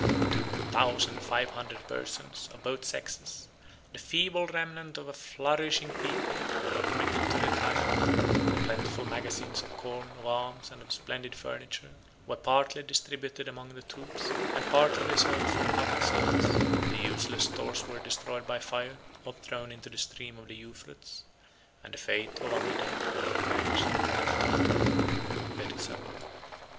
Two thousand five hundred persons, of both sexes, the feeble remnant of a flourishing people, were permitted to retire; the plentiful magazines of corn, of arms, and of splendid furniture, were partly distributed among the troops, and partly reserved for the public service; the useless stores were destroyed by fire or thrown into the stream of the Euphrates; and the fate of Amida was revenged by the total ruin of Perisabor.